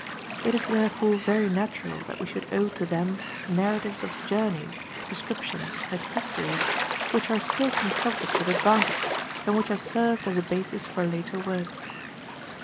It is therefore very natural that we should owe to them narratives of journeys, descriptions, and histories, which are still consulted with advantage, and which have served as a basis for later works.